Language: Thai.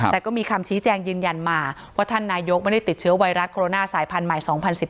แต่ก็มีคำชี้แจงยืนยันมาว่าท่านนายกไม่ได้ติดเชื้อไวรัสโคโรนาสายพันธุ์ใหม่๒๐๑๙